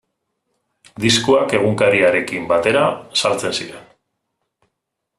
Diskoak egunkariarekin batera saltzen ziren.